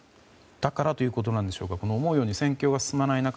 だからということなんでしょうか思うように戦況が進まない中